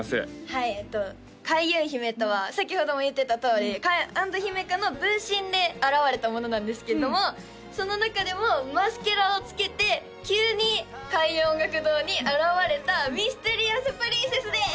はいえっと開運姫とは先ほども言ってたとおり安土姫華の分身で現れた者なんですけれどもその中でもマスケラをつけて急に開運音楽堂に現れたミステリアスプリンセスです！